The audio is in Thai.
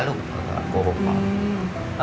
ยังมาโกหกแล้ว